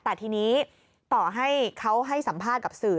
แต่ทีนี้ต่อให้เขาให้สัมภาษณ์กับสื่อ